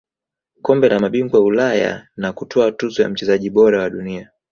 kombe la mabingwa Ulaya na kutwaa tuzo ya mchezaji bora wa dunia